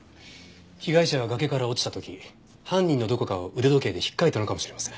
被害者は崖から落ちた時犯人のどこかを腕時計で引っかいたのかもしれません。